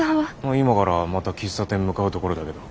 今からまた喫茶店向かうところだけど。